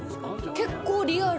結構リアル。